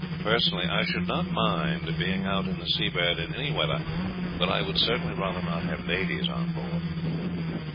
Personally, I should not mind being out in the Seabird in any weather, but I would certainly rather not have ladies on board."